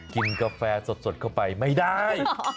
กาแฟสดเข้าไปไม่ได้